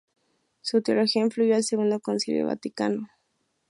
Su teología influyó al Segundo Concilio Vaticano.